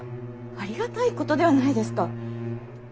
ありがたいことではないですか。